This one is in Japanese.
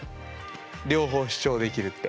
両方主張できるって。